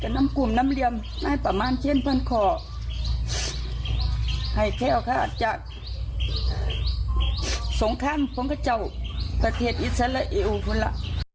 นายประมาณเช่นพ่อนขอให้แคล่ขาดจะส่งข้ามพวกเจ้าประเทศอิสราเอลค่ะ